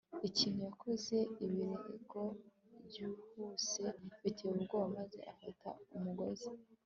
ikintu. yakoze ibirego byihuse, biteye ubwoba maze afata umugozi